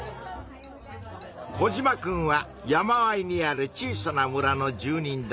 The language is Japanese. コジマくんは山あいにある小さな村の住人だ。